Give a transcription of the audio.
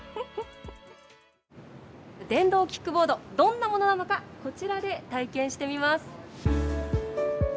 電動キックボードどんなものなのかこちらで体験してみます。